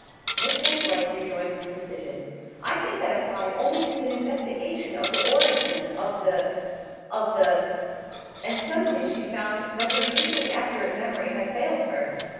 Miss Van Vluyck rejoined with precision: "I think that applied only to an investigation of the origin of the of the "; and suddenly she found that her usually accurate memory had failed her.